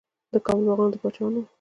د کابل باغونه د پاچاهانو وو.